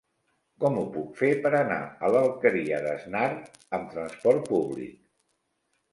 Com ho puc fer per anar a l'Alqueria d'Asnar amb transport públic?